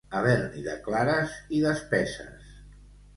Haver-n'hi de clares i d'espesses.